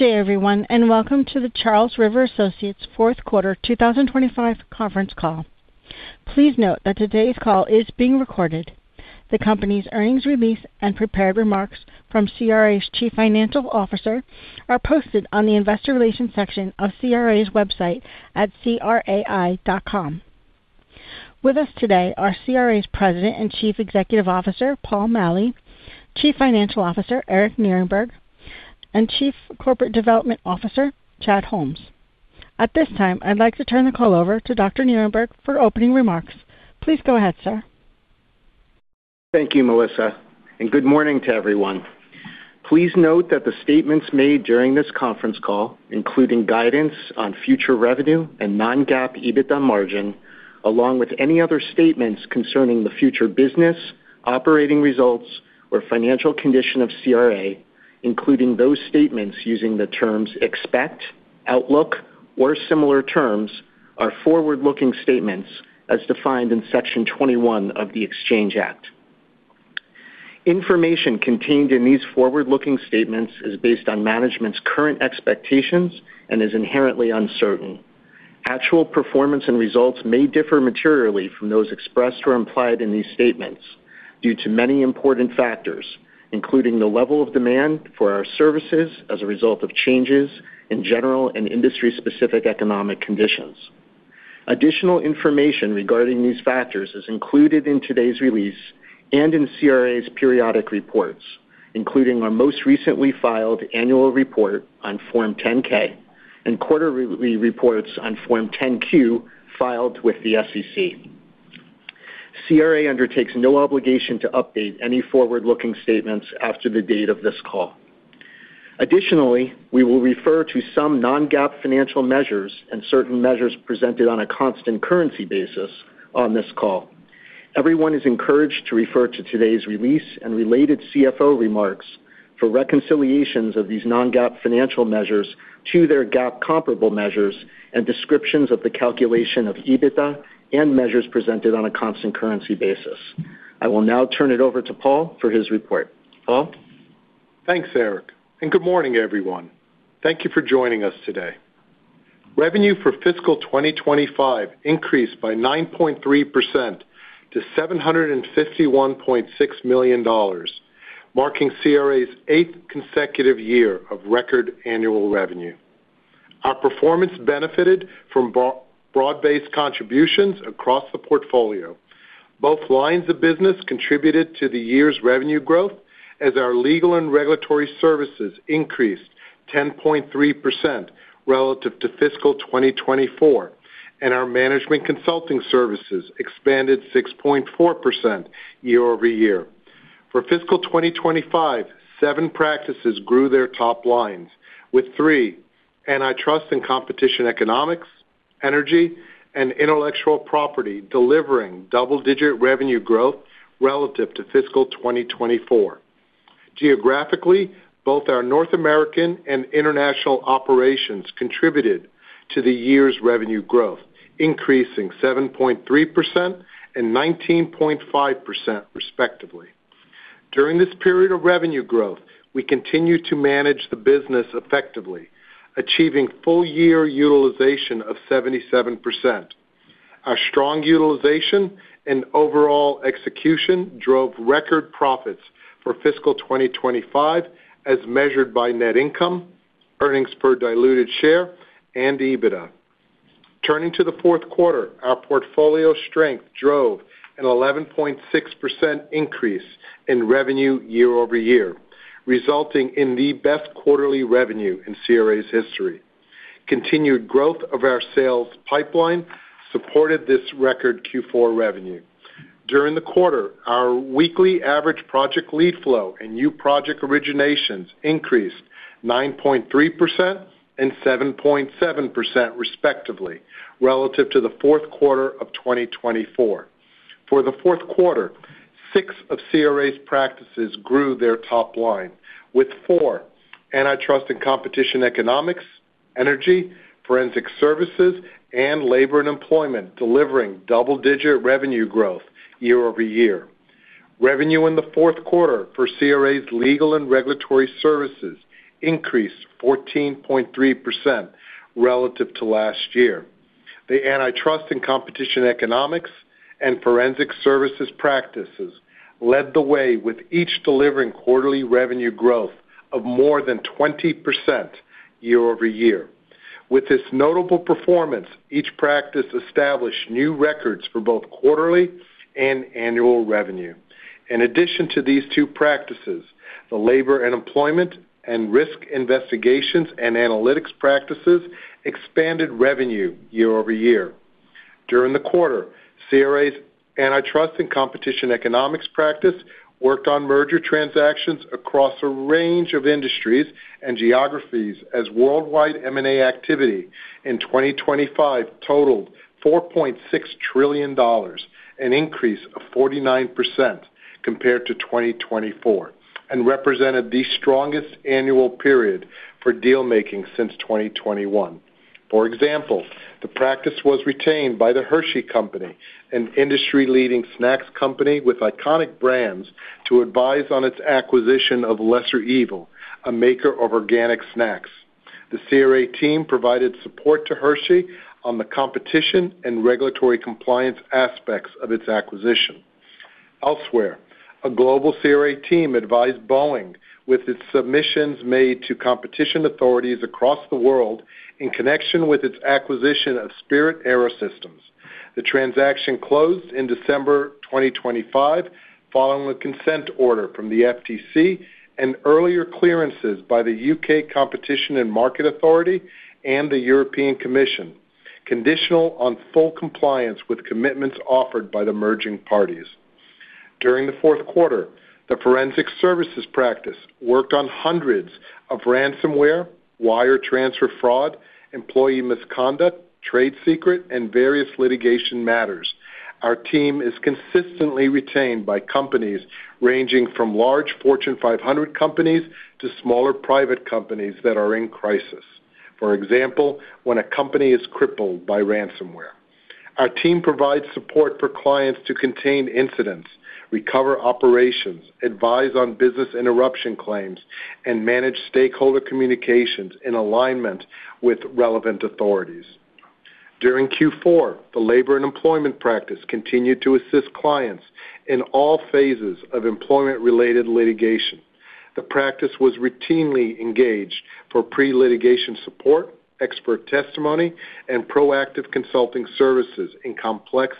Good day, everyone, welcome to the Charles River Associates' Fourth Quarter 2025 Conference Call. Please note that today's call is being recorded. The company's earnings release and prepared remarks from CRA's Chief Financial Officer are posted on the investor relations section of CRA's website at crai.com. With us today are CRA's President and Chief Executive Officer, Paul Maleh, Chief Financial Officer, Eric Nierenberg, and Chief Corporate Development Officer, Chad Holmes. At this time, I'd like to turn the call over to Dr. Nierenberg for opening remarks. Please go ahead, sir. Thank you, Melissa. Good morning to everyone. Please note that the statements made during this conference call, including guidance on future revenue and non-GAAP EBITDA margin, along with any other statements concerning the future business, operating results, or financial condition of CRA, including those statements using the terms expect, outlook, or similar terms, are forward-looking statements as defined in Section 21E of the Exchange Act. Information contained in these forward-looking statements is based on management's current expectations and is inherently uncertain. Actual performance and results may differ materially from those expressed or implied in these statements due to many important factors, including the level of demand for our services as a result of changes in general and industry-specific economic conditions. Additional information regarding these factors is included in today's release and in CRA's periodic reports, including our most recently filed annual report on Form 10-K and quarterly reports on Form 10-Q filed with the SEC. CRA undertakes no obligation to update any forward-looking statements after the date of this call. Additionally, we will refer to some non-GAAP financial measures and certain measures presented on a constant currency basis on this call. Everyone is encouraged to refer to today's release and related CFO remarks for reconciliations of these non-GAAP financial measures to their GAAP comparable measures and descriptions of the calculation of EBITDA and measures presented on a constant currency basis. I will now turn it over to Paul for his report. Paul? Thanks, Eric. Good morning, everyone. Thank you for joining us today. Revenue for fiscal 2025 increased by 9.3% to $751.6 million, marking CRA's eighth consecutive year of record annual revenue. Our performance benefited from broad-based contributions across the portfolio. Both lines of business contributed to the year's revenue growth, as our legal and regulatory services increased 10.3% relative to fiscal 2024, and our management consulting services expanded 6.4% year-over-year. For fiscal 2025, seven practices grew their top lines, with three, Antitrust & Competition Economics, Energy, and Intellectual Property, delivering double-digit revenue growth relative to fiscal 2024. Geographically, both our North American and international operations contributed to the year's revenue growth, increasing 7.3% and 19.5%, respectively. During this period of revenue growth, we continued to manage the business effectively, achieving full-year utilization of 77%. Our strong utilization and overall execution drove record profits for fiscal 2025, as measured by net income, earnings per diluted share, and EBITDA. Turning to the fourth quarter, our portfolio strength drove an 11.6% increase in revenue year-over-year, resulting in the best quarterly revenue in CRA's history. Continued growth of our sales pipeline supported this record Q4 revenue. During the quarter, our weekly average project lead flow and new project originations increased 9.3% and 7.7%, respectively, relative to the fourth quarter of 2024. For the fourth quarter, six of CRA's practices grew their top line, with four, Antitrust & Competition Economics, Energy, Forensic Services, and Labor & Employment, delivering double-digit revenue growth year-over-year. Revenue in the fourth quarter for CRA's legal and regulatory services increased 14.3% relative to last year. The Antitrust & Competition Economics and Forensic Services practices led the way, with each delivering quarterly revenue growth of more than 20% year-over-year. With this notable performance, each practice established new records for both quarterly and annual revenue. In addition to these two practices, the Labor & Employment and Risk, Investigations & Analytics practices expanded revenue year-over-year. During the quarter, CRA's Antitrust & Competition Economics practice worked on merger transactions across a range of industries and geographies as worldwide M&A activity in 2025 totaled $4.6 trillion, an increase of 49% compared to 2024, and represented the strongest annual period for deal making since 2021. For example, the practice was retained by The Hershey Company, an industry-leading snacks company with iconic brands, to advise on its acquisition of LesserEvil, a maker of organic snacks. The CRA team provided support to Hershey on the competition and regulatory compliance aspects of its acquisition. Elsewhere, a global CRA team advised Boeing with its submissions made to competition authorities across the world in connection with its acquisition of Spirit AeroSystems. The transaction closed in December 2025, following a consent order from the FTC and earlier clearances by the U.K. Competition and Markets Authority and the European Commission, conditional on full compliance with commitments offered by the merging parties. During the fourth quarter, the Forensic Services practice worked on hundreds of ransomware, wire transfer fraud, employee misconduct, trade secret, and various litigation matters. Our team is consistently retained by companies ranging from large Fortune 500 companies to smaller private companies that are in crisis. For example, when a company is crippled by ransomware. Our team provides support for clients to contain incidents, recover operations, advise on business interruption claims, and manage stakeholder communications in alignment with relevant authorities. During Q4, the Labor & Employment practice continued to assist clients in all phases of employment-related litigation. The practice was routinely engaged for pre-litigation support, expert testimony, and proactive consulting services in complex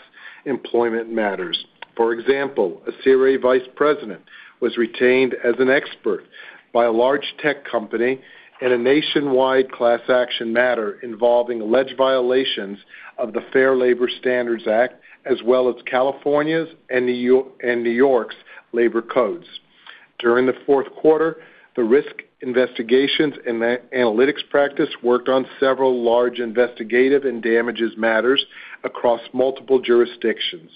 employment matters. For example, a CRA Vice President was retained as an expert by a large tech company in a nationwide class action matter involving alleged violations of the Fair Labor Standards Act, as well as California's and New York's labor codes. During the fourth quarter, the Risk, Investigations & Analytics practice worked on several large investigative and damages matters across multiple jurisdictions.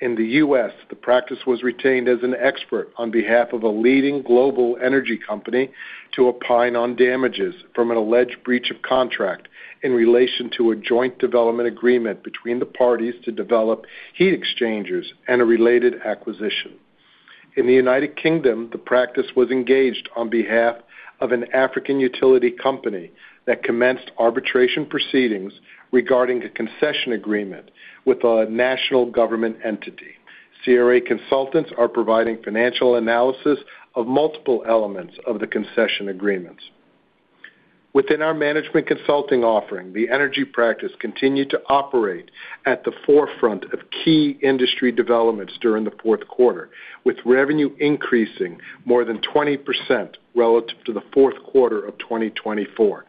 In the U.S., the practice was retained as an expert on behalf of a leading global energy company to opine on damages from an alleged breach of contract in relation to a joint development agreement between the parties to develop heat exchangers and a related acquisition. In the United Kingdom, the practice was engaged on behalf of an African utility company that commenced arbitration proceedings regarding a concession agreement with a national government entity. CRA consultants are providing financial analysis of multiple elements of the concession agreements. Within our management consulting offering, the Energy practice continued to operate at the forefront of key industry developments during the fourth quarter, with revenue increasing more than 20% relative to the fourth quarter of 2024.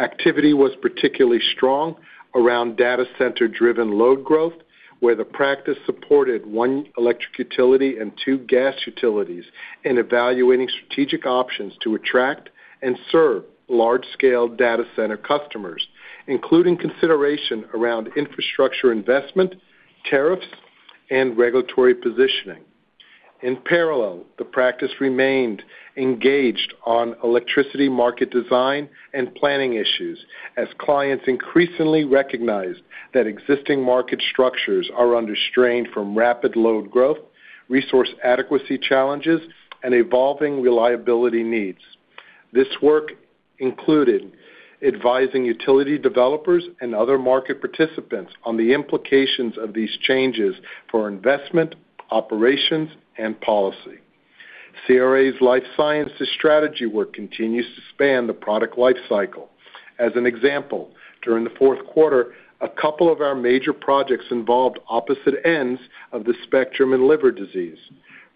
Activity was particularly strong around data center-driven load growth, where the practice supported one electric utility and two gas utilities in evaluating strategic options to attract and serve large-scale data center customers, including consideration around infrastructure investment, tariffs, and regulatory positioning. In parallel, the practice remained engaged on electricity market design and planning issues as clients increasingly recognized that existing market structures are under strain from rapid load growth, resource adequacy challenges, and evolving reliability needs. This work included advising utility developers and other market participants on the implications of these changes for investment, operations, and policy. CRA's Life Sciences strategy work continues to span the product life cycle. As an example, during the fourth quarter, a couple of our major projects involved opposite ends of the spectrum in liver disease.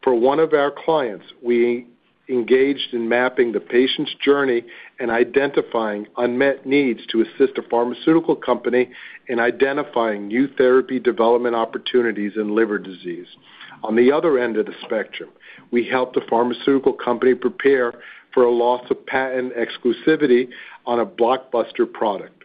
For one of our clients, we engaged in mapping the patient's journey and identifying unmet needs to assist a pharmaceutical company in identifying new therapy development opportunities in liver disease. On the other end of the spectrum, we helped a pharmaceutical company prepare for a loss of patent exclusivity on a blockbuster product.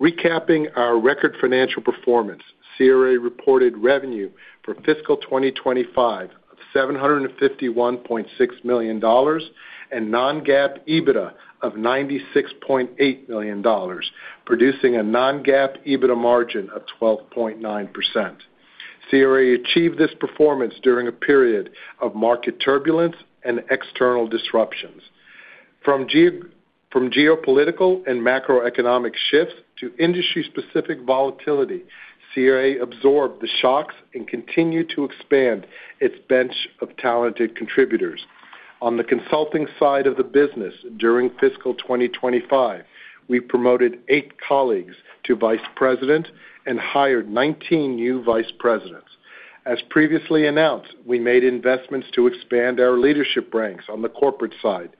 Recapping our record financial performance, CRA reported revenue for fiscal 2025 of $751.6 million and non-GAAP EBITDA of $96.8 million, producing a non-GAAP EBITDA margin of 12.9%. CRA achieved this performance during a period of market turbulence and external disruptions. From geopolitical and macroeconomic shifts to industry-specific volatility, CRA absorbed the shocks and continued to expand its bench of talented contributors. On the consulting side of the business, during fiscal 2025, we promoted eight colleagues to vice president and hired 19 new vice presidents. As previously announced, we made investments to expand our leadership ranks on the corporate side,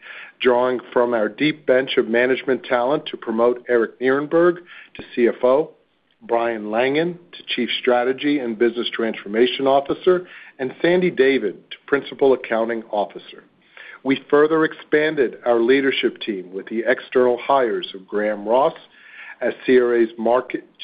drawing from our deep bench of management talent to promote Eric Nierenberg to CFO, Brian Langan to Chief Strategy and Business Transformation Officer, and Sandy David to Principal Accounting Officer. We further expanded our leadership team with the external hires of Graham Ross as CRA's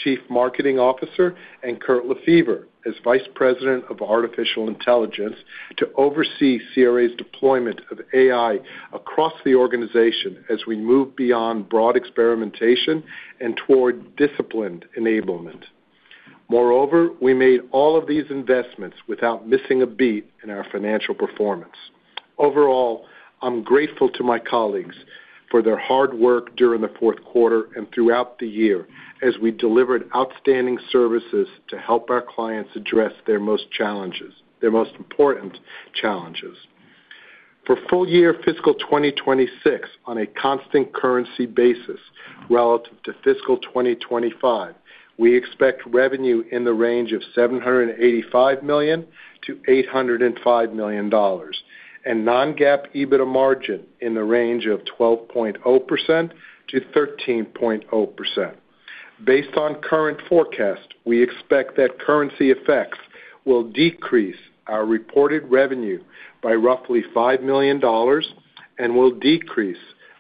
Chief Marketing Officer, and Curt Lefebvre as Vice President of Artificial Intelligence, to oversee CRA's deployment of AI across the organization as we move beyond broad experimentation and toward disciplined enablement. Moreover, we made all of these investments without missing a beat in our financial performance. Overall, I'm grateful to my colleagues for their hard work during the fourth quarter and throughout the year, as we delivered outstanding services to help our clients address their most important challenges. For full year fiscal 2026, on a constant currency basis, relative to fiscal 2025, we expect revenue in the range of $785 million-$805 million, and non-GAAP EBITDA margin in the range of 12.0%-13.0%. Based on current forecast, we expect that currency effects will decrease our reported revenue by roughly $5 million and will decrease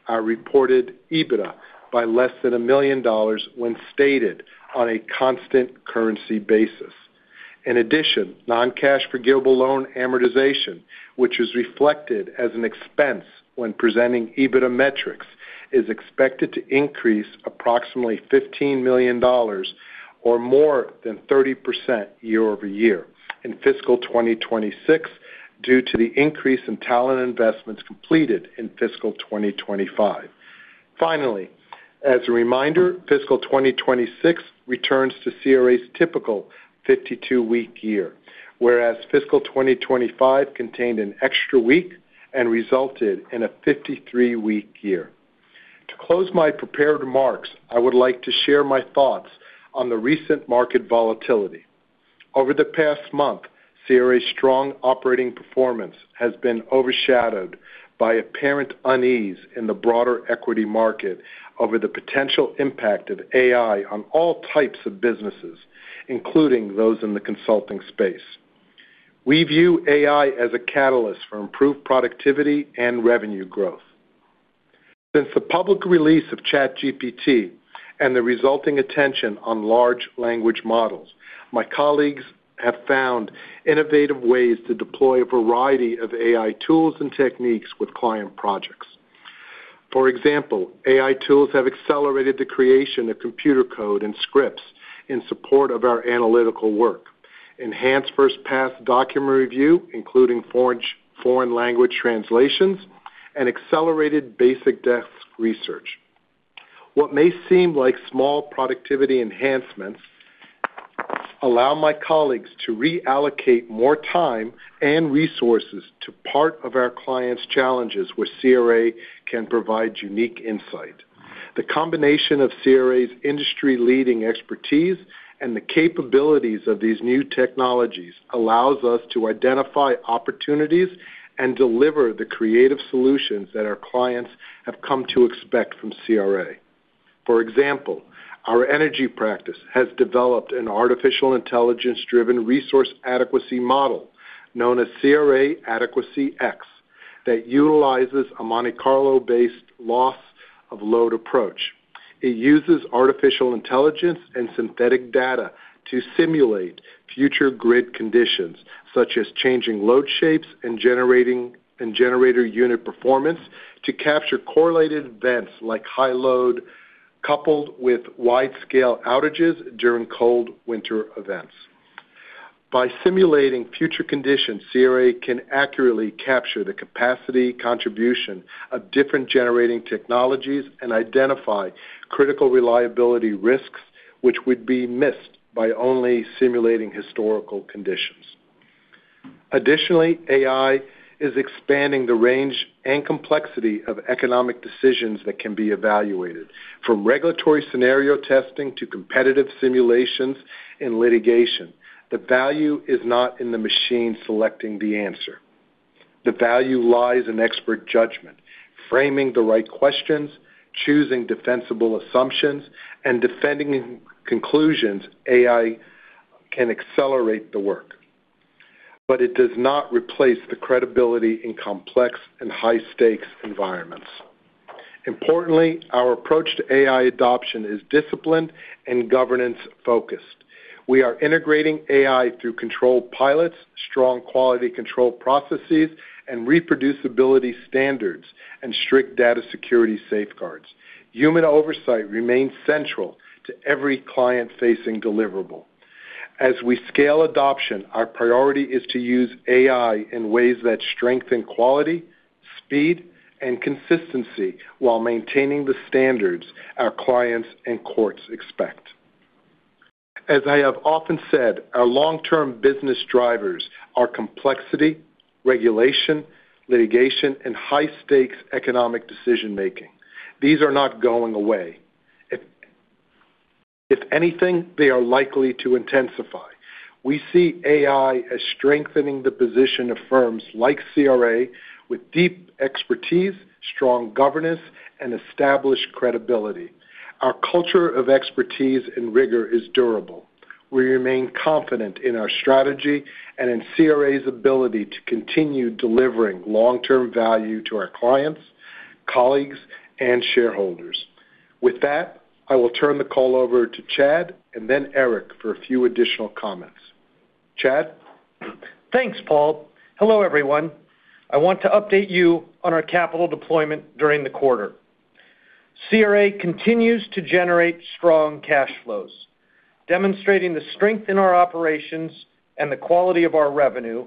our reported EBITDA by less than $1 million when stated on a constant currency basis. Non-cash forgivable loan amortization, which is reflected as an expense when presenting EBITDA metrics, is expected to increase approximately $15 million or more than 30% year-over-year in fiscal 2026, due to the increase in talent investments completed in fiscal 2025. As a reminder, fiscal 2026 returns to CRA's typical 52-week year, whereas fiscal 2025 contained an extra week and resulted in a 53-week year. To close my prepared remarks, I would like to share my thoughts on the recent market volatility. Over the past month, CRA's strong operating performance has been overshadowed by apparent unease in the broader equity market over the potential impact of AI on all types of businesses, including those in the consulting space. We view AI as a catalyst for improved productivity and revenue growth. Since the public release of ChatGPT and the resulting attention on large language models, my colleagues have found innovative ways to deploy a variety of AI tools and techniques with client projects. For example, AI tools have accelerated the creation of computer code and scripts in support of our analytical work, enhanced first-pass document review, including foreign language translations, and accelerated basic desk research. What may seem like small productivity enhancements allow my colleagues to reallocate more time and resources to part of our clients' challenges, where CRA can provide unique insight. The combination of CRA's industry-leading expertise and the capabilities of these new technologies allows us to identify opportunities and deliver the creative solutions that our clients have come to expect from CRA. For example, our Energy practice has developed an artificial intelligence-driven resource adequacy model, known as CRA AdequacyX, that utilizes a Monte Carlo-based loss of load approach. It uses artificial intelligence and synthetic data to simulate future grid conditions, such as changing load shapes and generator unit performance, to capture correlated events like high load, coupled with wide-scale outages during cold winter events. By simulating future conditions, CRA can accurately capture the capacity contribution of different generating technologies and identify critical reliability risks, which would be missed by only simulating historical conditions. Additionally, AI is expanding the range and complexity of economic decisions that can be evaluated, from regulatory scenario testing to competitive simulations and litigation. The value is not in the machine selecting the answer. The value lies in expert judgment, framing the right questions, choosing defensible assumptions, and defending conclusions. AI can accelerate the work, but it does not replace the credibility in complex and high-stakes environments. Importantly, our approach to AI adoption is disciplined and governance-focused. We are integrating AI through controlled pilots, strong quality control processes, and reproducibility standards, and strict data security safeguards. Human oversight remains central to every client-facing deliverable. As we scale adoption, our priority is to use AI in ways that strengthen quality, speed, and consistency while maintaining the standards our clients and courts expect. As I have often said, our long-term business drivers are complexity, regulation, litigation, and high-stakes economic decision-making. These are not going away. If anything, they are likely to intensify. We see AI as strengthening the position of firms like CRA with deep expertise, strong governance, and established credibility. Our culture of expertise and rigor is durable. We remain confident in our strategy and in CRA's ability to continue delivering long-term value to our clients, colleagues, and shareholders. With that, I will turn the call over to Chad and then Eric for a few additional comments. Chad? Thanks, Paul. Hello, everyone. I want to update you on our capital deployment during the quarter. CRA continues to generate strong cash flows, demonstrating the strength in our operations and the quality of our revenue.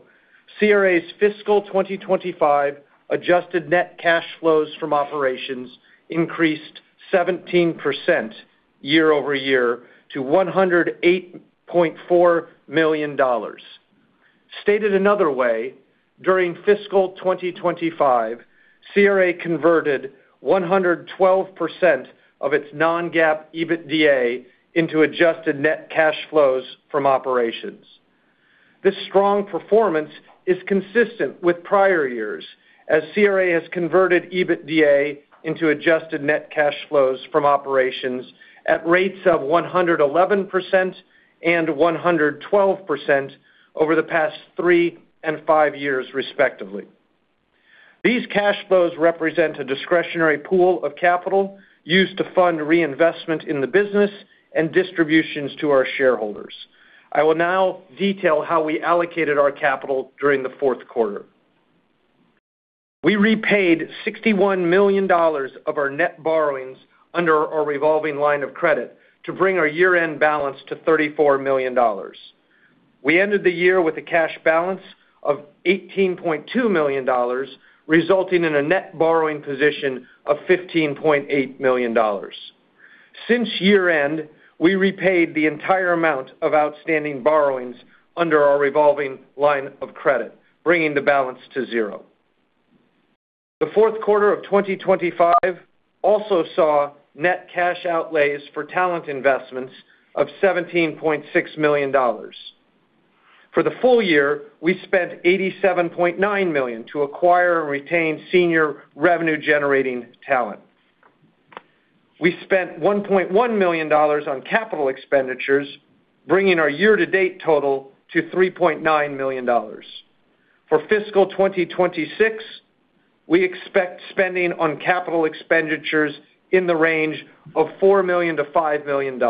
CRA's fiscal 2025 adjusted net cash flows from operations increased 17% year-over-year to $108.4 million. Stated another way, during fiscal 2025, CRA converted 112% of its non-GAAP EBITDA into adjusted net cash flows from operations. This strong performance is consistent with prior years, as CRA has converted EBITDA into adjusted net cash flows from operations at rates of 111% and 112% over the past three and five years, respectively. These cash flows represent a discretionary pool of capital used to fund reinvestment in the business and distributions to our shareholders. I will now detail how we allocated our capital during the fourth quarter. We repaid $61 million of our net borrowings under our revolving line of credit to bring our year-end balance to $34 million. We ended the year with a cash balance of $18.2 million, resulting in a net borrowing position of $15.8 million. Since year-end, we repaid the entire amount of outstanding borrowings under our revolving line of credit, bringing the balance to 0. The fourth quarter of 2025 also saw net cash outlays for talent investments of $17.6 million. For the full year, we spent $87.9 million to acquire and retain senior revenue-generating talent. We spent $1.1 million on capital expenditures, bringing our year-to-date total to $3.9 million. For fiscal 2026, we expect spending on capital expenditures in the range of $4 million-$5 million.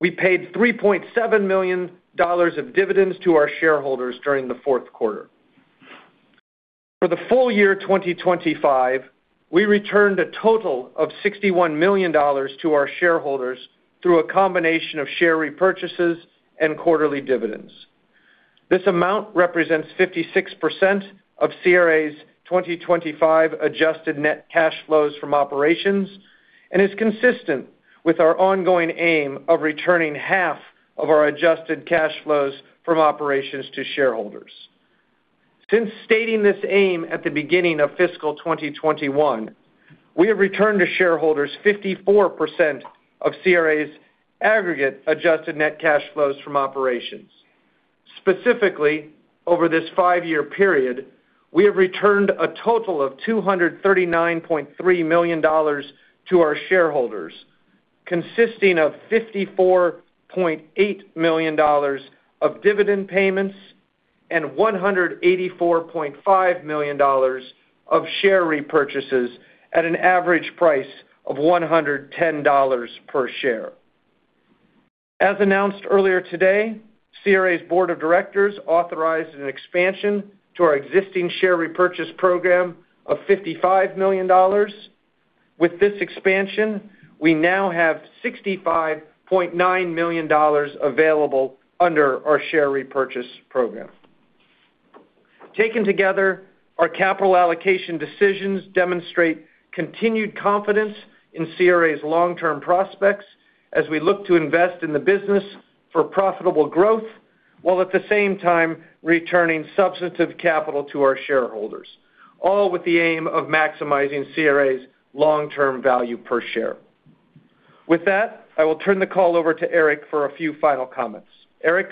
We paid $3.7 million of dividends to our shareholders during the fourth quarter. For the full year 2025, we returned a total of $61 million to our shareholders through a combination of share repurchases and quarterly dividends. This amount represents 56% of CRA's 2025 adjusted net cash flows from operations and is consistent with our ongoing aim of returning half of our adjusted cash flows from operations to shareholders. Since stating this aim at the beginning of fiscal 2021, we have returned to shareholders 54% of CRA's aggregate adjusted net cash flows from operations. Specifically, over this five-year period, we have returned a total of $239.3 million to our shareholders, consisting of $54.8 million of dividend payments and $184.5 million of share repurchases at an average price of $110 per share. As announced earlier today, CRA's board of directors authorized an expansion to our existing share repurchase program of $55 million. With this expansion, we now have $65.9 million available under our share repurchase program. Taken together, our capital allocation decisions demonstrate continued confidence in CRA's long-term prospects as we look to invest in the business for profitable growth, while at the same time returning substantive capital to our shareholders, all with the aim of maximizing CRA's long-term value per share. I will turn the call over to Eric for a few final comments. Eric?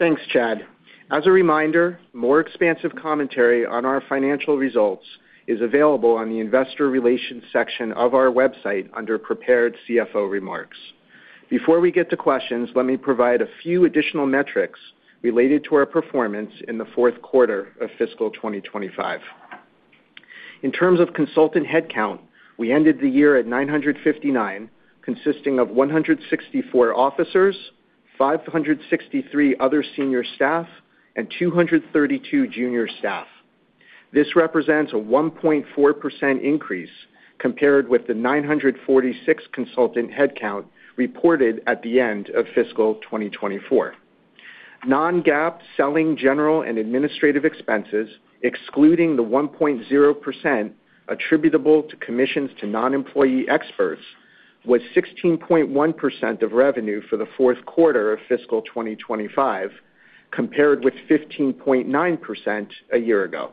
Thanks, Chad. As a reminder, more expansive commentary on our financial results is available on the investor relations section of our website under Prepared CFO Remarks. Before we get to questions, let me provide a few additional metrics related to our performance in the fourth quarter of fiscal 2025. In terms of consultant headcount, we ended the year at 959, consisting of 164 officers, 563 other senior staff, and 232 junior staff. This represents a 1.4% increase compared with the 946 consultant headcount reported at the end of fiscal 2024. Non-GAAP selling, general, and administrative expenses, excluding the 1.0% attributable to commissions to non-employee experts, was 16.1% of revenue for the fourth quarter of fiscal 2025, compared with 15.9% a year ago.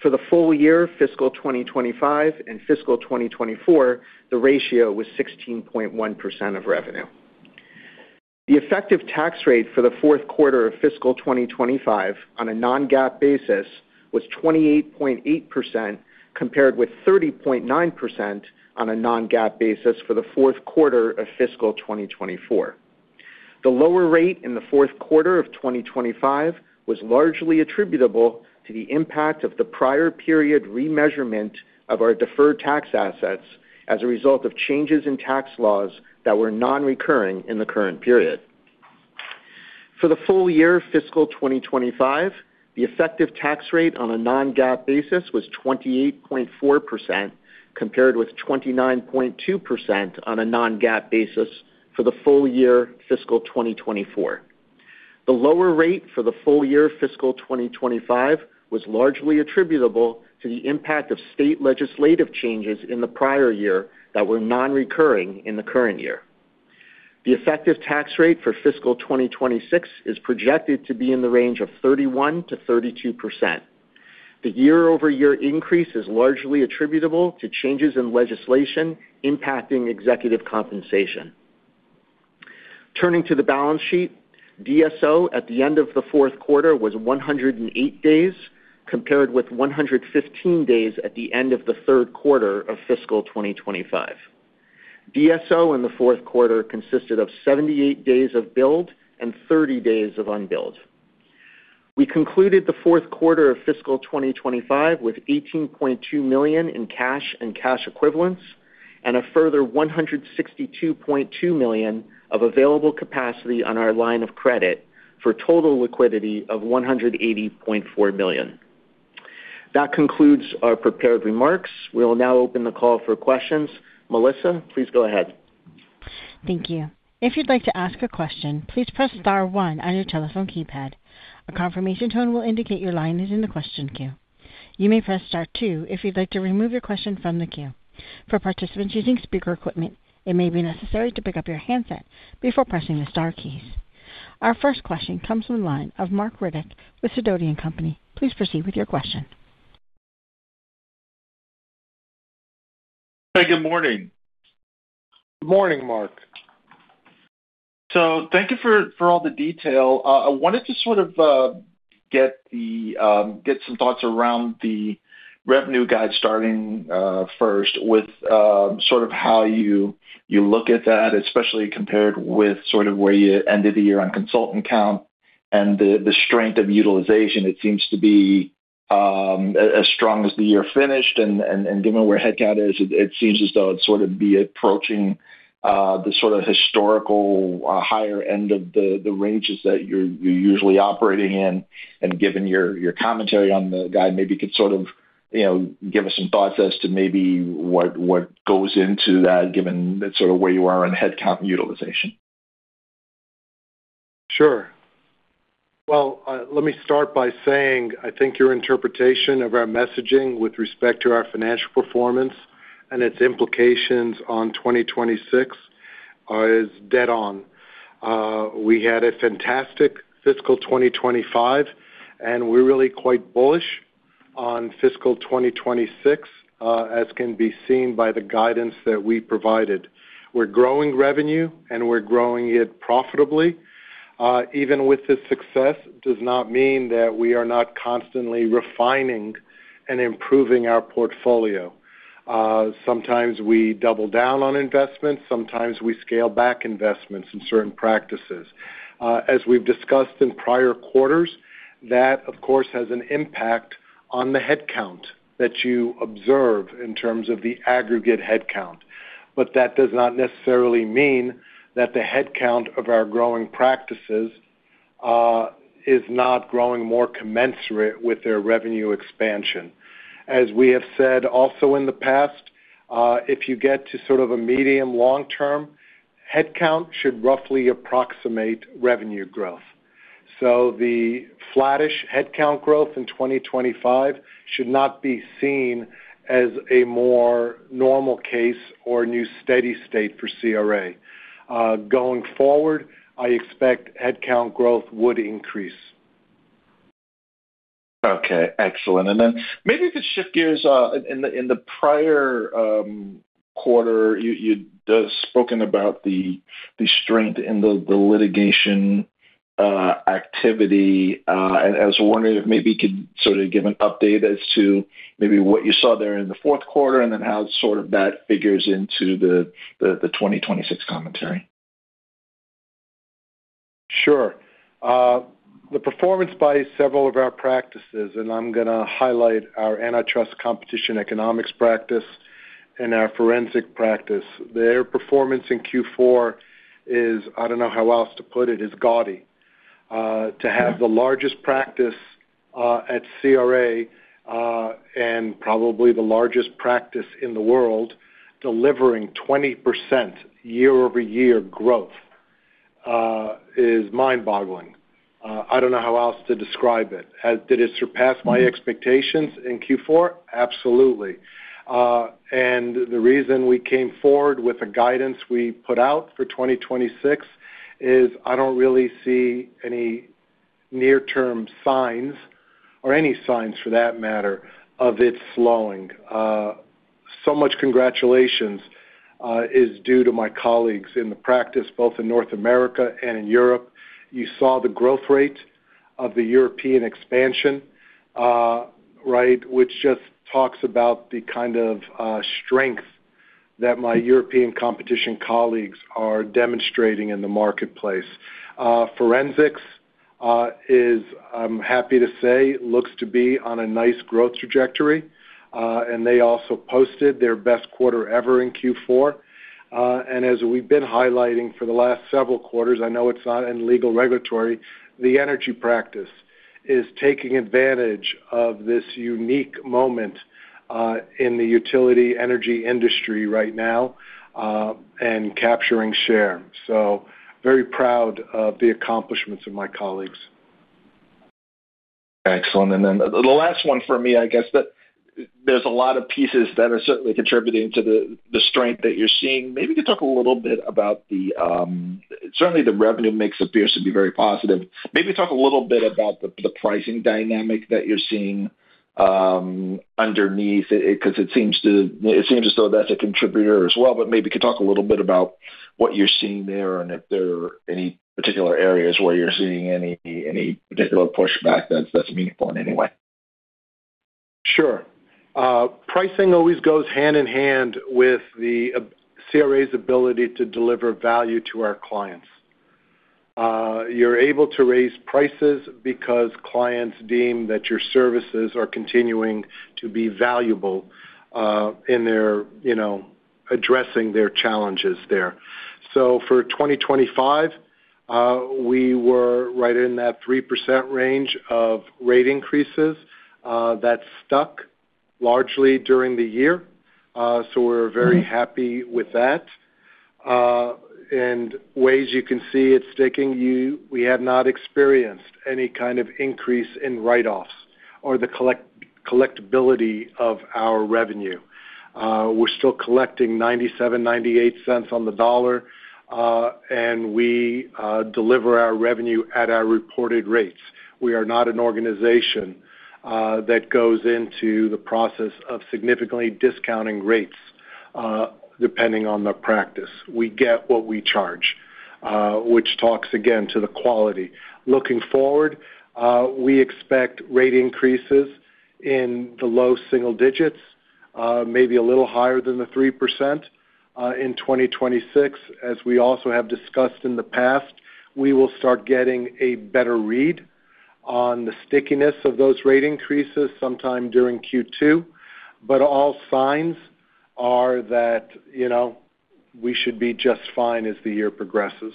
For the full year, fiscal 2025 and fiscal 2024, the ratio was 16.1% of revenue. The effective tax rate for the fourth quarter of fiscal 2025 on a non-GAAP basis was 28.8%, compared with 30.9% on a non-GAAP basis for the fourth quarter of fiscal 2024. The lower rate in the fourth quarter of 2025 was largely attributable to the impact of the prior period remeasurement of our deferred tax assets as a result of changes in tax laws that were non-recurring in the current period. For the full year fiscal 2025, the effective tax rate on a non-GAAP basis was 28.4%, compared with 29.2% on a non-GAAP basis for the full year fiscal 2024. The lower rate for the full year fiscal 2025 was largely attributable to the impact of state legislative changes in the prior year that were non-recurring in the current year. The effective tax rate for fiscal 2026 is projected to be in the range of 31%-32%. The year-over-year increase is largely attributable to changes in legislation impacting executive compensation. Turning to the balance sheet, DSO at the end of the fourth quarter was 108 days, compared with 115 days at the end of the third quarter of fiscal 2025. DSO in the fourth quarter consisted of 78 days of build and 30 days of unbilled. We concluded the fourth quarter of fiscal 2025, with $18.2 million in cash and cash equivalents, and a further $162.2 million of available capacity on our line of credit, for total liquidity of $180.4 million. That concludes our prepared remarks. We will now open the call for questions. Melissa, please go ahead. Thank you. If you'd like to ask a question, please press Star one on your telephone keypad. A confirmation tone will indicate your line is in the question queue. You may press Star two if you'd like to remove your question from the queue. For participants using speaker equipment, it may be necessary to pick up your handset before pressing the star keys. Our first question comes from the line of Marc Riddick with Sidoti & Company. Please proceed with your question. Good morning. Good morning, Marc. Thank you for all the detail. I wanted to sort of get some thoughts around the revenue guide, starting first with sort of how you look at that, especially compared with sort of where you ended the year on consultant count and the strength of utilization. It seems to be as strong as the year finished, and given where headcount is, it seems as though it'd sort of be approaching the sort of historical higher end of the ranges that you're usually operating in. Given your commentary on the guide, maybe you could sort of, you know, give us some thoughts as to maybe what goes into that, given that sort of where you are on headcount utilization. Sure. Well, let me start by saying, I think your interpretation of our messaging with respect to our financial performance and its implications on 2026, is dead on. We had a fantastic fiscal 2025, and we're really quite bullish on fiscal 2026, as can be seen by the guidance that we provided. We're growing revenue, and we're growing it profitably. Even with this success, does not mean that we are not constantly refining and improving our portfolio. Sometimes we double down on investments, sometimes we scale back investments in certain practices. As we've discussed in prior quarters, that, of course, has an impact on the headcount that you observe in terms of the aggregate headcount. That does not necessarily mean that the headcount of our growing practices, is not growing more commensurate with their revenue expansion. As we have said also in the past, if you get to sort of a medium long term, headcount should roughly approximate revenue growth. The flattish headcount growth in 2025 should not be seen as a more normal case or new steady state for CRA. Going forward, I expect headcount growth would increase. Okay, excellent. Maybe to shift gears, in the, in the prior, quarter, you'd spoken about the strength in the litigation, activity, and I was wondering if maybe you could sort of give an update as to maybe what you saw there in the fourth quarter, and then how sort of that figures into the 2026 commentary. Sure. The performance by several of our practices, and I'm gonna highlight our Antitrust & Competition Economics practice and our Forensic Services practice. Their performance in Q4 is, I don't know how else to put it, is gaudy. To have the largest practice at CRA, and probably the largest practice in the world, delivering 20% year-over-year growth is mind-boggling. I don't know how else to describe it. Did it surpass my expectations in Q4? Absolutely. The reason we came forward with the guidance we put out for 2026 is I don't really see any near-term signs or any signs for that matter, of it slowing. So much congratulations is due to my colleagues in the practice, both in North America and in Europe. You saw the growth rate of the European expansion, right, which just talks about the kind of strength that my European competition colleagues are demonstrating in the marketplace. Forensics is, I'm happy to say, looks to be on a nice growth trajectory. They also posted their best quarter ever in Q4. As we've been highlighting for the last several quarters, I know it's not in legal regulatory, the Energy practice is taking advantage of this unique moment in the utility energy industry right now, and capturing share. Very proud of the accomplishments of my colleagues. Excellent. The last one for me, I guess, that there's a lot of pieces that are certainly contributing to the strength that you're seeing. Maybe you could talk a little bit about the, certainly, the revenue makes it appears to be very positive. Maybe talk a little bit about the pricing dynamic that you're seeing underneath, it, 'cause it seems as though that's a contributor as well. Maybe you could talk a little bit about what you're seeing there and if there are any particular areas where you're seeing any particular pushback that's meaningful in any way. Sure. Pricing always goes hand in hand with the CRA's ability to deliver value to our clients. You're able to raise prices because clients deem that your services are continuing to be valuable, in their, you know, addressing their challenges there. For 2025, we were right in that 3% range of rate increases. That stuck largely during the year, so we're very happy with that. And ways you can see it sticking, we have not experienced any kind of increase in write-offs or the collectibility of our revenue. We're still collecting $0.97, $0.98 on the dollar, and we deliver our revenue at our reported rates. We are not an organization that goes into the process of significantly discounting rates, depending on the practice. We get what we charge, which talks again to the quality. Looking forward, we expect rate increases in the low single digits, maybe a little higher than the 3%, in 2026. As we also have discussed in the past, we will start getting a better read on the stickiness of those rate increases sometime during Q2, but all signs are that, you know, we should be just fine as the year progresses.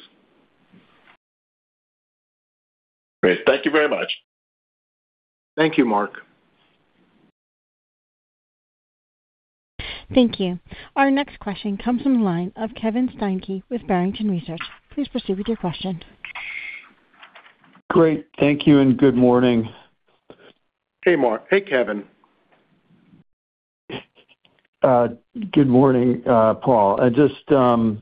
Great. Thank you very much. Thank you, Marc. Thank you. Our next question comes from the line of Kevin Steinke with Barrington Research. Please proceed with your question. Great. Thank you, and good morning. Hey, Marc. Hey, Kevin. Good morning, Paul. I just thank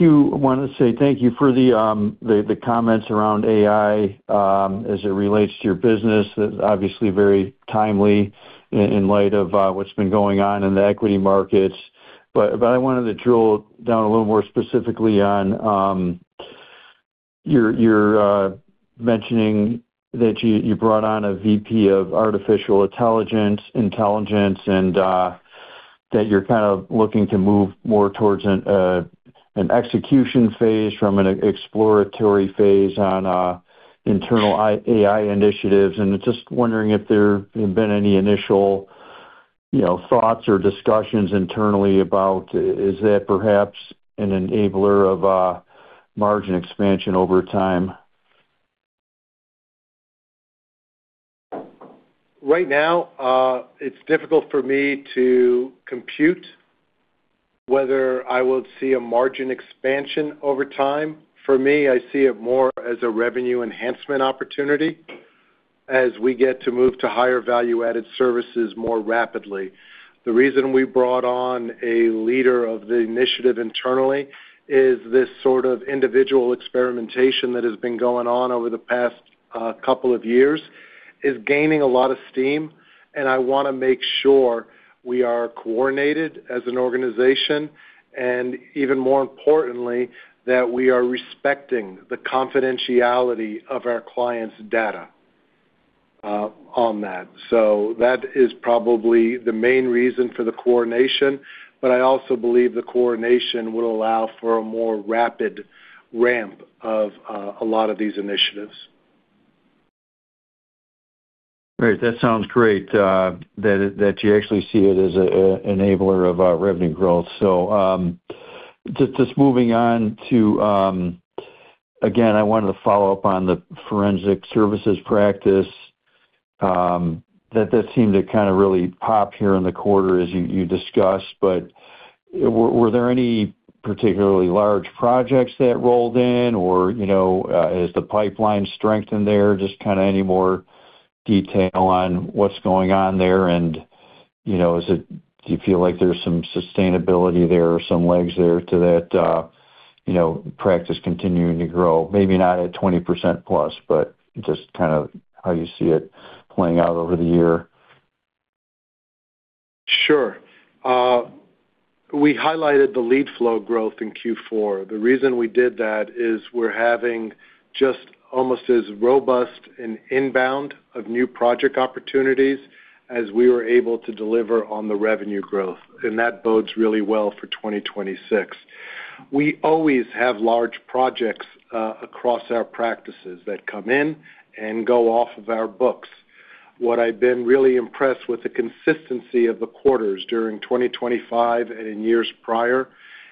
you. I wanna say thank you for the comments around AI as it relates to your business. That's obviously very timely in light of what's been going on in the equity markets. I wanted to drill down a little more specifically on your mentioning that you brought on a VP of Artificial Intelligence and that you're kind of looking to move more towards an execution phase from an exploratory phase on internal AI initiatives. Just wondering if there have been any initial, you know, thoughts or discussions internally about, is that perhaps an enabler of margin expansion over time? It's difficult for me to compute whether I will see a margin expansion over time. For me, I see it more as a revenue enhancement opportunity as we get to move to higher value-added services more rapidly. The reason we brought on a leader of the initiative internally is this sort of individual experimentation that has been going on over the past couple of years, is gaining a lot of steam, and I wanna make sure we are coordinated as an organization, and even more importantly, that we are respecting the confidentiality of our clients' data on that. That is probably the main reason for the coordination, but I also believe the coordination will allow for a more rapid ramp of a lot of these initiatives. Great. That sounds great, that you actually see it as a enabler of revenue growth. Just moving on to... Again, I wanted to follow up on the Forensic Services practice that seemed to kind of really pop here in the quarter, as you discussed. Were there any particularly large projects that rolled in or, you know, has the pipeline strengthened there? Just kind of any more detail on what's going on there, and, you know, do you feel like there's some sustainability there or some legs there to that, you know, practice continuing to grow? Maybe not at 20% plus, but just kind of how you see it playing out over the year. Sure. We highlighted the lead flow growth in Q4. The reason we did that is we're having just almost as robust and inbound of new project opportunities.... as we were able to deliver on the revenue growth, and that bodes really well for 2026. We always have large projects, across our practices that come in and go off of our books. What I've been really impressed with the consistency of the quarters during 2025 and in years prior,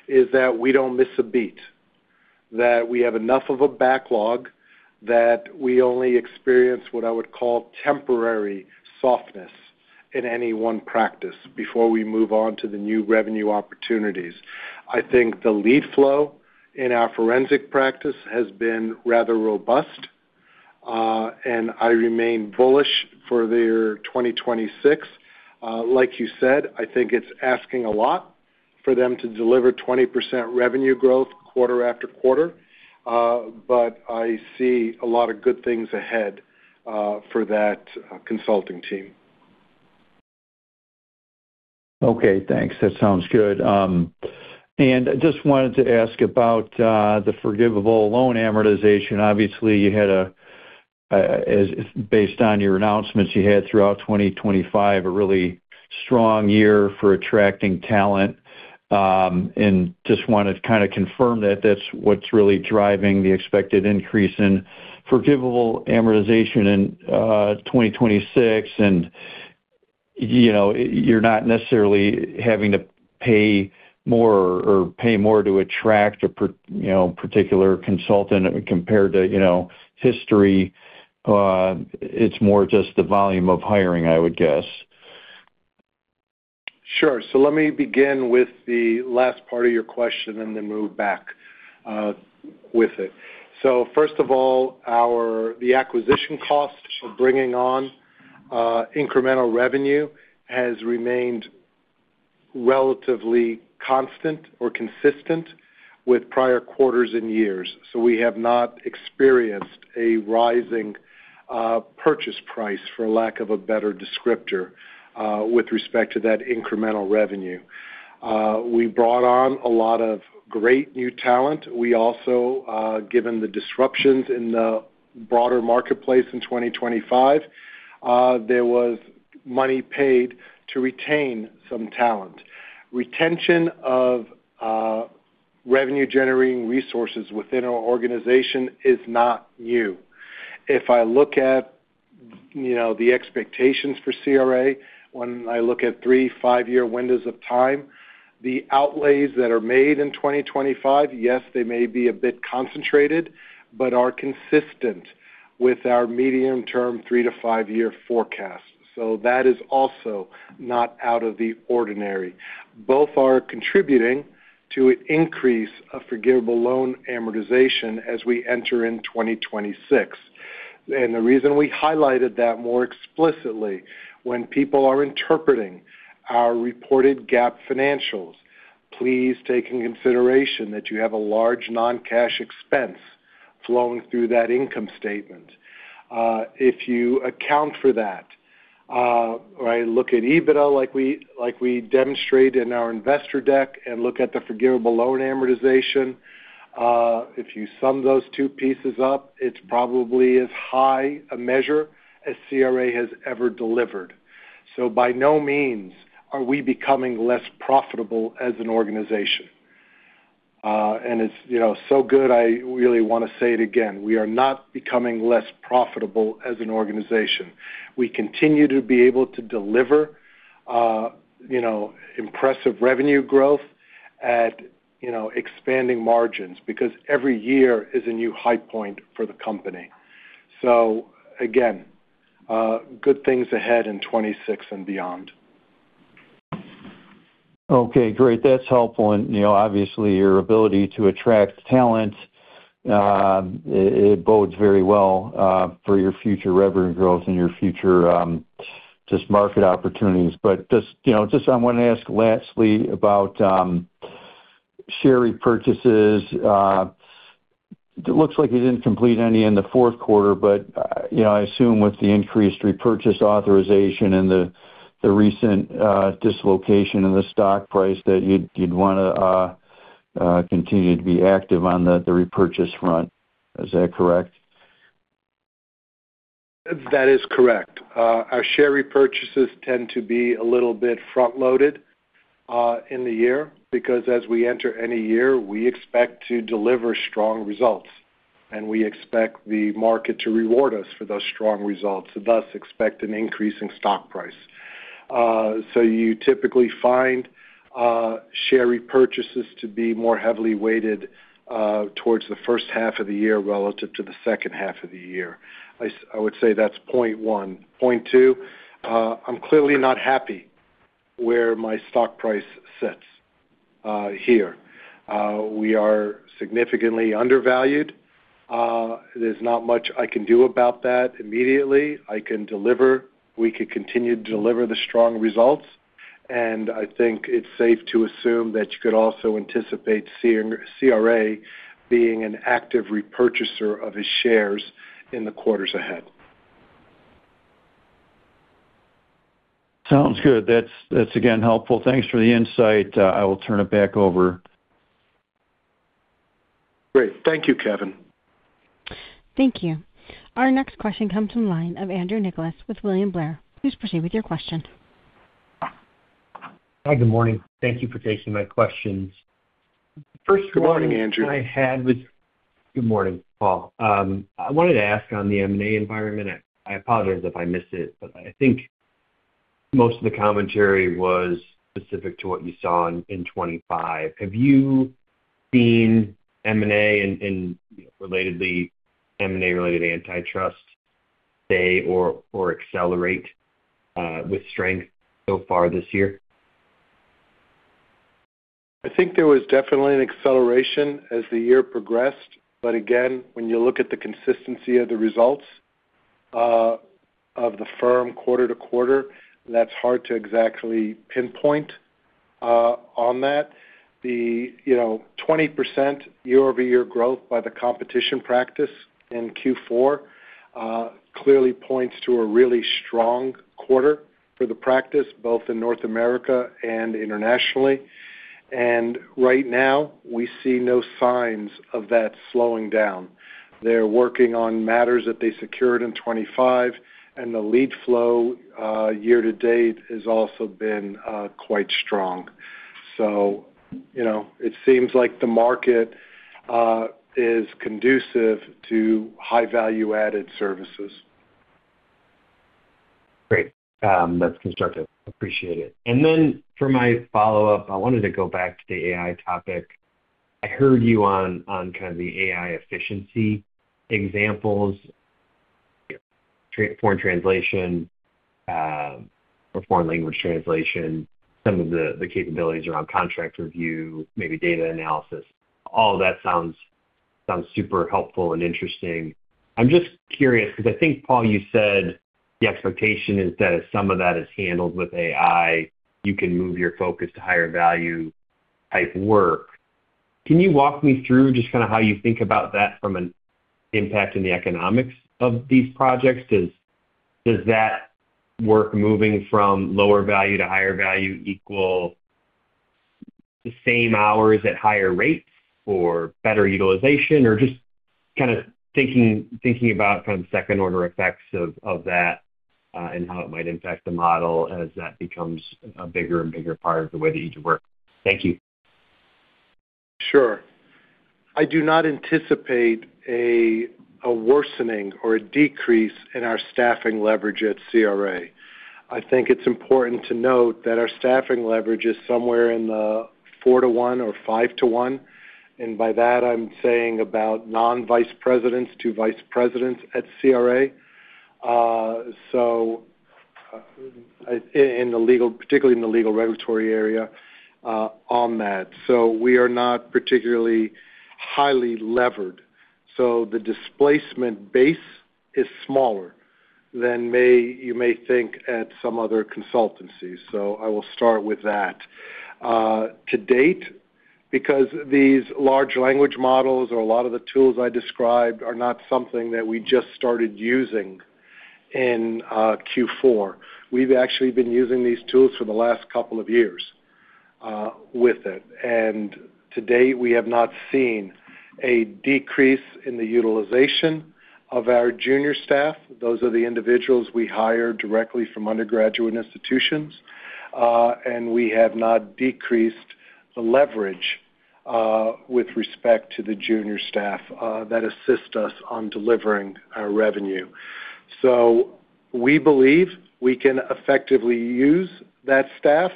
is that we don't miss a beat, that we have enough of a backlog, that we only experience what I would call temporary softness in any one practice before we move on to the new revenue opportunities. I think the lead flow in our Forensic practice has been rather robust, and I remain bullish for the year 2026. Like you said, I think it's asking a lot for them to deliver 20% revenue growth quarter after quarter, but I see a lot of good things ahead for that consulting team. Okay, thanks. That sounds good. I just wanted to ask about the forgivable loan amortization. Obviously, you had, as based on your announcements, you had throughout 2025, a really strong year for attracting talent. I just wanted to kind of confirm that that's what's really driving the expected increase in forgivable amortization in 2026. You know, you're not necessarily having to pay more to attract a particular consultant compared to, you know, history, it's more just the volume of hiring, I would guess. Sure. Let me begin with the last part of your question and then move back with it. First of all, the acquisition costs of bringing on incremental revenue has remained relatively constant or consistent with prior quarters and years. We have not experienced a rising purchase price, for lack of a better descriptor, with respect to that incremental revenue. We brought on a lot of great new talent. We also, given the disruptions in the broader marketplace in 2025, there was money paid to retain some talent. Retention of revenue-generating resources within our organization is not new. If I look at, you know, the expectations for CRA, when I look at three, five-year windows of time, the outlays that are made in 2025, yes, they may be a bit concentrated, but are consistent with our medium-term three to five-year forecast. That is also not out of the ordinary. Both are contributing to an increase of forgivable loan amortization as we enter in 2026. The reason we highlighted that more explicitly, when people are interpreting our reported GAAP financials, please take in consideration that you have a large non-cash expense flowing through that income statement. If you account for that, or I look at EBITDA, like we demonstrate in our investor deck and look at the forgivable loan amortization, if you sum those two pieces up, it's probably as high a measure as CRA has ever delivered. By no means are we becoming less profitable as an organization. It's, you know, so good, I really want to say it again. We are not becoming less profitable as an organization. We continue to be able to deliver, you know, impressive revenue growth at, you know, expanding margins because every year is a new high point for the company. Again, good things ahead in 2026 and beyond. Okay, great. That's helpful. You know, obviously, your ability to attract talent, it bodes very well for your future revenue growth and your future just market opportunities. Just, you know, just I want to ask lastly about share repurchases. It looks like you didn't complete any in the fourth quarter, but, you know, I assume with the increased repurchase authorization and the recent dislocation in the stock price, that you'd want to continue to be active on the repurchase front. Is that correct? That is correct. Our share repurchases tend to be a little bit front-loaded in the year because as we enter any year, we expect to deliver strong results, and we expect the market to reward us for those strong results, and thus expect an increase in stock price. You typically find share repurchases to be more heavily weighted towards the first half of the year relative to the second half of the year. I would say that's point one. Point two, I'm clearly not happy where my stock price sits here. We are significantly undervalued. There's not much I can do about that immediately. We can continue to deliver the strong results. I think it's safe to assume that you could also anticipate seeing CRA being an active repurchaser of its shares in the quarters ahead. Sounds good. That's again, helpful. Thanks for the insight. I will turn it back over. Great. Thank you, Kevin. Thank you. Our next question comes from the line of Andrew Nicholas with William Blair. Please proceed with your question. Hi, good morning. Thank you for taking my questions. First of all- Good morning, Andrew. Good morning, Paul. I wanted to ask on the M&A environment. I apologize if I missed it, but I think most of the commentary was specific to what you saw in '25. Have you seen M&A and relatedly, M&A-related antitrust stay or accelerate with strength so far this year? I think there was definitely an acceleration as the year progressed, but again, when you look at the consistency of the results of the firm quarter to quarter, that's hard to exactly pinpoint on that. The, you know, 20% year-over-year growth by the Competition practice in Q4 clearly points to a really strong quarter for the practice, both in North America and internationally. Right now, we see no signs of that slowing down. They're working on matters that they secured in 2025, and the lead flow year to date has also been quite strong. You know, it seems like the market is conducive to high-value-added services. Great. That's constructive. Appreciate it. For my follow-up, I wanted to go back to the AI topic. I heard you on kind of the AI efficiency examples, foreign translation, or foreign language translation, some of the capabilities around contract review, maybe data analysis. All of that sounds super helpful and interesting. I'm just curious, 'cause I think, Paul, you said the expectation is that if some of that is handled with AI, you can move your focus to higher value type work. Can you walk me through just kinda how you think about that from an impact in the economics of these projects? Does that work moving from lower value to higher value equal the same hours at higher rates or better utilization? just kind of thinking about kind of second-order effects of that, and how it might impact the model as that becomes a bigger and bigger part of the way that you do work. Thank you. Sure. I do not anticipate a worsening or a decrease in our staffing leverage at CRA. I think it's important to note that our staffing leverage is somewhere in the 4:1 or 5:1, and by that I'm saying about non-vice presidents to vice presidents at CRA. In the legal, particularly in the legal regulatory area, on that. We are not particularly highly levered, so the displacement base is smaller than you may think at some other consultancies. I will start with that. To date, because these large language models or a lot of the tools I described are not something that we just started using in Q4. We've actually been using these tools for the last couple of years, with it, and to date, we have not seen a decrease in the utilization of our junior staff. Those are the individuals we hire directly from undergraduate institutions, and we have not decreased the leverage with respect to the junior staff that assist us on delivering our revenue. We believe we can effectively use that staff,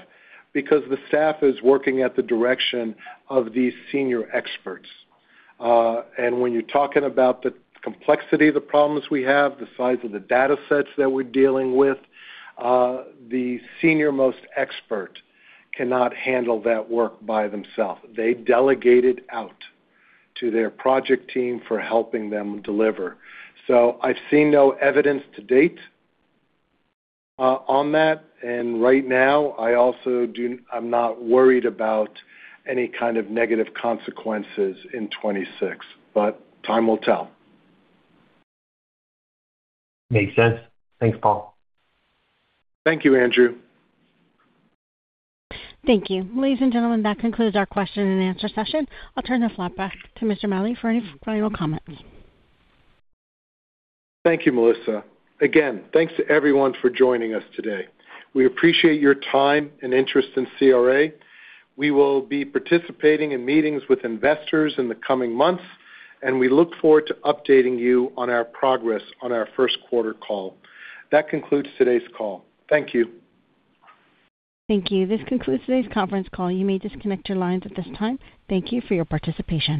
because the staff is working at the direction of these senior experts. When you're talking about the complexity of the problems we have, the size of the datasets that we're dealing with, the senior-most expert cannot handle that work by themselves. They delegate it out to their project team for helping them deliver. I've seen no evidence to date, on that, and right now, I also I'm not worried about any kind of negative consequences in 2026, but time will tell. Makes sense. Thanks, Paul. Thank you, Andrew. Thank you. Ladies and gentlemen, that concludes our question and answer session. I'll turn the floor back to Mr. Maleh for any final comments. Thank you, Melissa. Again, thanks to everyone for joining us today. We appreciate your time and interest in CRA. We will be participating in meetings with investors in the coming months, and we look forward to updating you on our progress on our first quarter call. That concludes today's call. Thank you. Thank you. This concludes today's conference call. You may disconnect your lines at this time. Thank you for your participation.